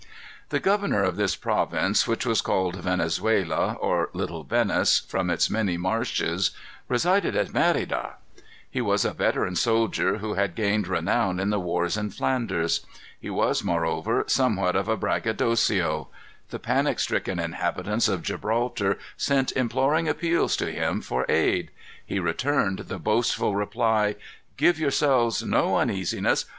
The governor of this province, which was called Venezuela, or Little Venice, from its many marshes, resided at Merida. He was a veteran soldier, who had gained renown in the wars in Flanders. He was, moreover, somewhat of a braggadocio. The panic stricken inhabitants of Gibraltar, sent imploring appeals to him for aid. He returned the boastful reply: "Give yourselves no uneasiness.